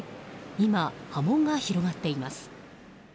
今、波紋が広がっています。